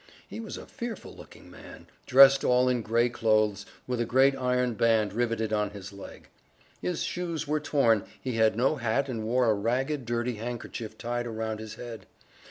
He was a fearful looking man, dressed all in gray clothes, with a great iron band riveted on his leg. His shoes were torn, he had no hat and wore a ragged, dirty handkerchief tied around his head.